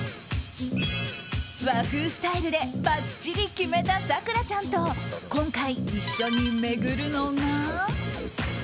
和風スタイルでばっちり決めた咲楽ちゃんと今回一緒に巡るのが。